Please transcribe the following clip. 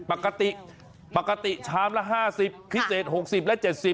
ปกติปกติชามละ๕๐พิเศษ๖๐และ๗๐